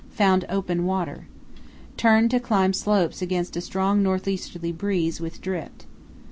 Found open water. Turned to climb slopes against a strong north easterly breeze with drift.